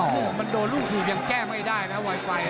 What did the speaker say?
โอ้โหมันโดนลูกถีบยังแก้ไม่ได้นะไวไฟ